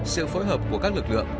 sự phối hợp của các lực lượng